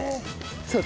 そうだ。